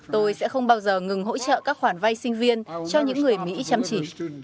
tôi sẽ không bao giờ ngừng hỗ trợ các khoản vay sinh viên cho những người mỹ chăm chỉ